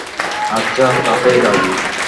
আচ্ছা, তাতেই রাজি।